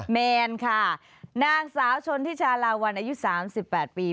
แมนค่ะนางสาวชนทิชาลาวันอายุ๓๘ปี